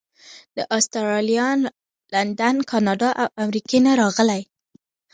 د اسټرالیا، لندن، کاناډا او امریکې نه راغلي.